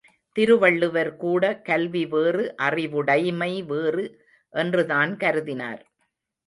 திருவள்ளுவர் கூட கல்வி வேறு அறிவுடைமை வேறு என்றுதான் கருதினார்.